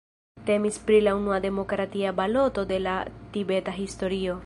Temis pri la unua demokratia baloto de la tibeta historio.